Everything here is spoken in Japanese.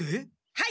はい！